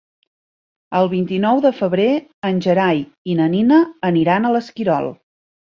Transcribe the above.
El vint-i-nou de febrer en Gerai i na Nina aniran a l'Esquirol.